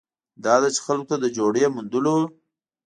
دا ده چې خلکو ته د جوړې موندلو